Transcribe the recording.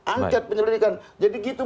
angket penyelidikan jadi gitu